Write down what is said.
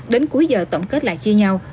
đến cuối giờ tổng kết lại chia nhau